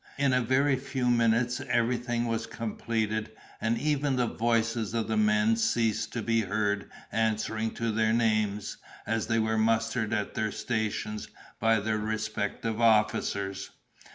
In a very few minutes everything was completed, and even the voices of the men ceased to be heard answering to their names, as they were mustered at their stations, by their respective officers.